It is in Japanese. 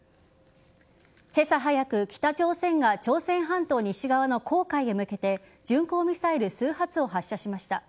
今朝早く北朝鮮が朝鮮半島西側の黄海へ向けて巡航ミサイル数発を発射しました。